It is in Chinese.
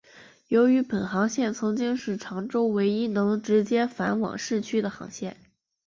由于本航线曾经是长洲唯一能直接往返市区的航线。